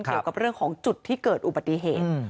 เกี่ยวกับเรื่องของจุดที่เกิดอุบัติเหตุ